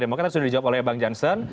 demokrat sudah dijawab oleh bang jansen